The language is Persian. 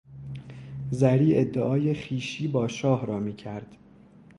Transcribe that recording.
زری ادعای خویشی با شاه را میکرد.